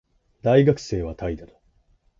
大学生は怠惰だ